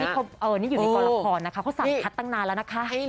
นี่อยู่ในกองละครนะคะเขาสั่งคัดตั้งนานแล้วนะคะ